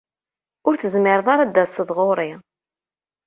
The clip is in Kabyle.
Ur tezmireḍ ara ad d-taseḍ ɣur-i.